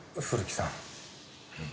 古木さん。